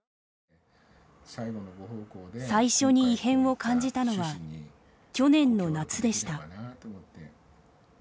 最初に異変を感じたのは去年の夏でした。